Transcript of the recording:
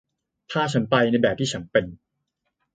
พาฉันไปในแบบที่ฉันเป็น